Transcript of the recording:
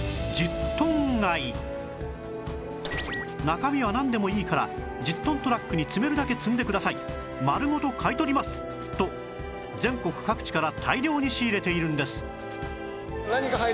「中身はなんでもいいから１０トントラックに積めるだけ積んでください」「丸ごと買い取ります」と全国各地から大量に仕入れているんです